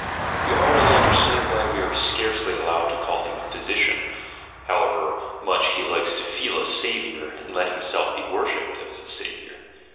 We already understand why we are scarcely allowed to call him a physician, however much he likes to feel a "saviour" and let himself be worshipped as a saviour.